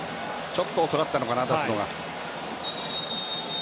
ちょっと遅かったのかな出すのが。